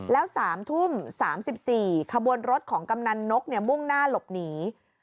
แล้ว๓ทุ่ม๓๔ขบวนรถของกำนันนกมุ่งหน้าหลบหนี